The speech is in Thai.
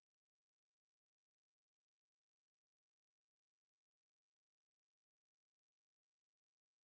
โปรดติดตามตอนต่อไป